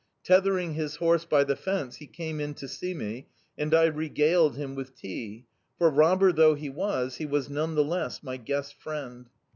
Tethering his horse by the fence, he came in to see me, and I regaled him with tea, for, robber though he was, he was none the less my guest friend.